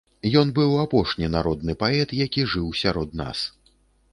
Ён быў апошні народны паэт, які жыў сярод нас.